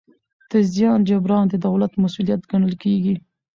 د زیان جبران د دولت مسوولیت ګڼل کېږي.